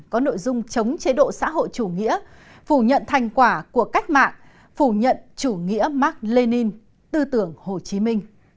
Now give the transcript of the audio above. có nội dung chính trị